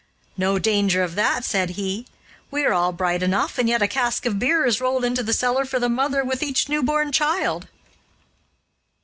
"No danger of that," said he; "we are all bright enough, and yet a cask of beer is rolled into the cellar for the mother with each newborn child."